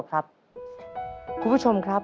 คุณผู้ชมครับ